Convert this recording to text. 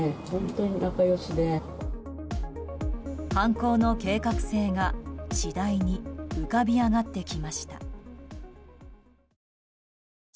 犯行の計画性が次第に浮かび上がってきました。